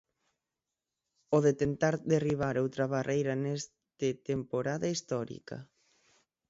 O de tentar derribar outra barreira neste temporada histórica.